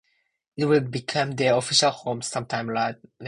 It will become their official home some time later.